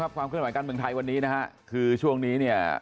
ความคุยกันกันเมืองไทยวันนี้นะฮะคือช่วงนี้เนี่ย